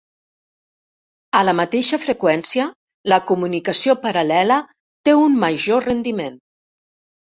A la mateixa freqüència, la comunicació paral·lela té un major rendiment.